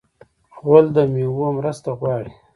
غول د میوو مرسته غواړي.